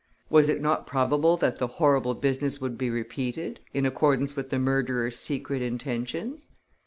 Was it not probable that the horrible business would be repeated in accordance with the murderer's secret intentions?